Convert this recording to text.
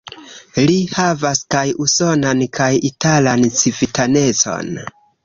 Li havas kaj usonan kaj italan civitanecon.